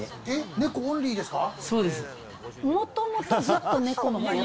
猫オンリーですか？